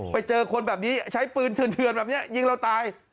ไปเจอคนแบบนี้ใช้ปืนเถื่อนแบบนี้ยิงเราตาย